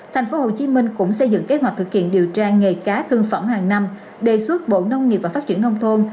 tp hcm cũng xây dựng kế hoạch thực hiện điều tra nghề cá thương phẩm hàng năm đề xuất bộ nông nghiệp và phát triển nông thôn